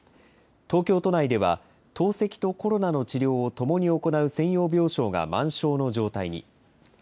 東京都内では、透析とコロナの治療をともに行う専用病床が満床の状態に。